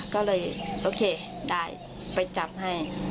ก็เลยโอเคได้ไปจับให้